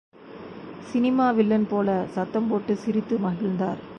Cinema villain போல சத்தம் போட்டுச் சிரித்து மகிழ்ந்தார்.